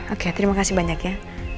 oke terima kasih banyak ya